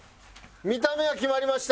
見た目は決まりました。